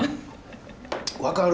分かる！